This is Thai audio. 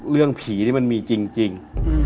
เรื่องผีนี่มันมีจริง